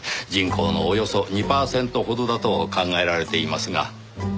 人口のおよそ２パーセントほどだと考えられていますが。